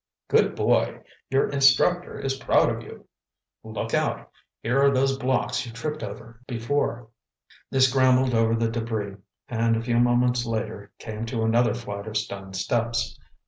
"Good boy! Your instructor is proud of you. Look out—here are those blocks you tripped over before." They scrambled over the debris and a few moments later came to another flight of stone steps.